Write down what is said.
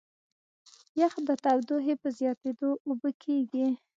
یخ د تودوخې په زیاتېدو اوبه کېږي.